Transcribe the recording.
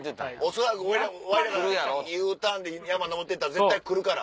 恐らくわれらがＵターンで山登ってったら絶対来るから。